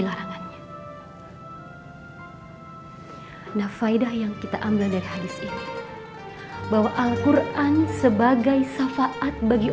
larangannya hai nafaidah yang kita ambil dari hadits ini bahwa alquran sebagai safaat bagi